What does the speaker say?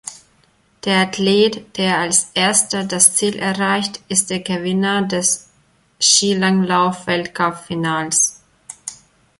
Der Athlet, der als Erster das Ziel erreicht, ist der Gewinner des Skilanglauf-Weltcup-Finals.